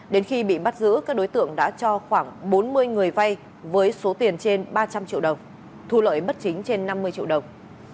đến khi bị bắt giữ các đối tượng đã cho khoảng bốn mươi người vay với số tiền trên ba trăm linh triệu đồng thu lợi bất chính trên năm mươi triệu đồng